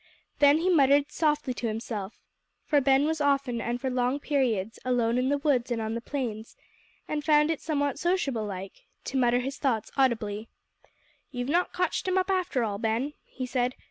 Then he muttered softly to himself for Ben was often and for long periods alone in the woods and on the plains, and found it somewhat "sociable like" to mutter his thoughts audibly: "You've not cotched him up after all, Ben," he said.